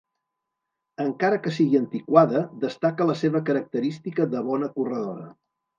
Encara que sigui antiquada, destaca la seva característica de bona corredora.